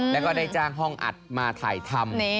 แล้วก็ได้จ้างห้องอัดมาถ่ายทำ